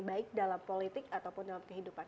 baik dalam politik ataupun dalam kehidupan